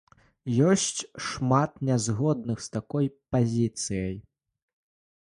Ёсць шмат не згодных з такой пазіцыяй.